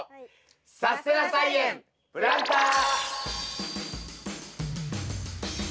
「さすてな菜園プランター」。